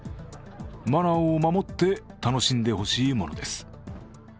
マナーを守って楽しんでほしいものです。